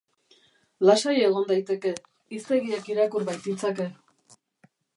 Lasai egon daiteke, hiztegiak irakur baititzake.